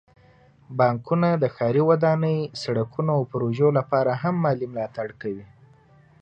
بانکونه د ښاري ودانۍ، سړکونو، او پروژو لپاره هم مالي ملاتړ کوي.